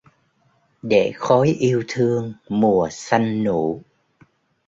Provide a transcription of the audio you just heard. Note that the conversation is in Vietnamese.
Để khói yêu thương mùa xanh nụ